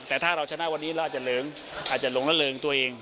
แต่ถ้าเราชนะวันนี้เราอาจจะเหลิงอาจจะหลงและเหลิงตัวเอง